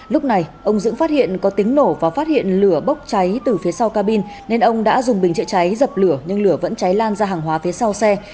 lúc này ông dững phát hiện có tiếng nổ và phát hiện lửa bốc cháy từ phía sau cabin nên ông đã dùng bình chữa cháy dập lửa nhưng lửa vẫn cháy lan ra hàng hóa phía sau xe